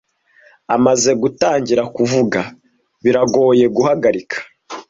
Amaze gutangira kuvuga, biragoye guhagarika.